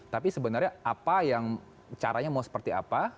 tapi sebenarnya apa yang caranya mau seperti apa